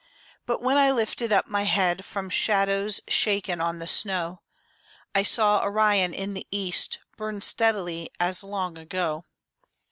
But when I lifted up my head From shadows shaken on the snow, I saw Orion in the east Burn steadily as long ago.